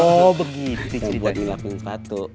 oh begitu cerita di lapang patuk